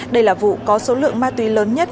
đây là vụ có số lượng ma túy lớn nhất